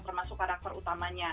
termasuk karakter utamanya